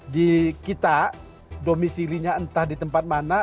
di kita domisilinya entah di tempat mana